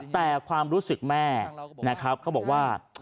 แต่ความรู้สึกแม่ก็บอกว่า